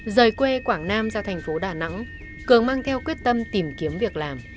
rời quê quảng nam ra thành phố đà nẵng cường mang theo quyết tâm tìm kiếm việc làm